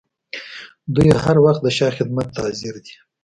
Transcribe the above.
دوی هر وخت د شاه خدمت ته حاضر دي.